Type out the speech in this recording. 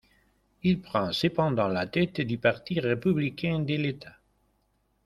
Il prend cependant la tête du Parti républicain de l'État.